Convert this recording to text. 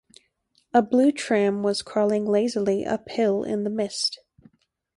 A blue tram was crawling lazily uphill in the mist.